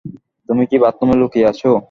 তুমি কি বাথরুমে লুকিয়ে আছো?